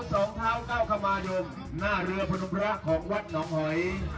สองมือลูกกระเป๋าสองเท้าเก้าคมายุมหน้าเรือพนุภระของวัดหนองหอย